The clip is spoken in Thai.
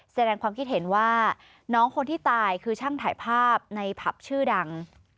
แสดงความคิดเห็นว่าน้องคนที่ตายคือช่างถ่ายภาพในผับชื่อดัง